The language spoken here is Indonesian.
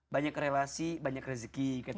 banyak relasi banyak rezeki gitu ya kan